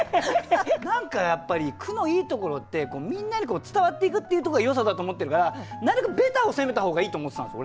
何かやっぱり句のいいところってみんなに伝わっていくっていうところがよさだと思ってるからなるべくベタを攻めた方がいいと思ってたんですよ。